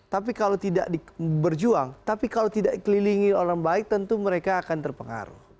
tapi kalau tidak berjuang tapi kalau tidak dikelilingi orang baik tentu mereka akan terpengaruh